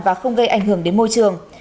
và không gây ảnh hưởng đến môi trường